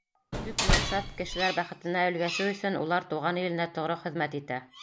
Төп маҡсат — кешеләр бәхетенә өлгәшеү — өсөн улар Тыуған иленә тоғро хеҙмәт итә.